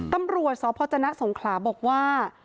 ตำรวจสพจนะสงขลาบอกว่า